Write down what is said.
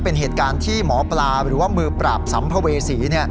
เป็นเหตุการณ์ที่หมอปลาหรือว่ามือปราบสัมภเวษี